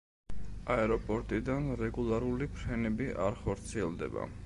აეროპორტიდან რეგულარული ფრენები არ ხორციელდება.